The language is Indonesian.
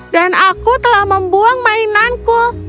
dan aku telah membuang mainanku